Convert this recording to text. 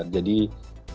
jadi kalau kita lihat